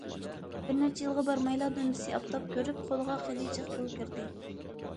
بىر نەچچە يىلغا بارمايلا، دۈمبىسى ئاپتاپ كۆرۈپ، قولىغا خېلى جىق پۇل كىردى.